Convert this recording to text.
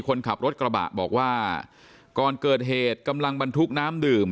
คนขับรถกระบะบอกว่าก่อนเกิดเหตุกำลังบรรทุกน้ำดื่ม